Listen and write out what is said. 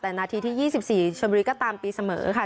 แต่นาทีที่๒๔ชนบุรีก็ตามตีเสมอค่ะ